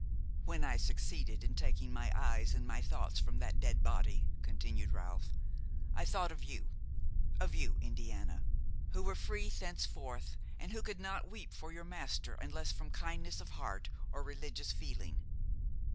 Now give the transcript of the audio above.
"When I succeeded in taking my eyes and my thoughts from that dead body," continued Ralph, "I thought of you; of you, Indiana, who were free thenceforth, and who could not weep for your master unless from kindness of heart or religious feeling.